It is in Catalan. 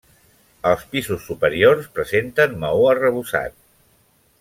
Els pisos superiors presenten maó arrebossat.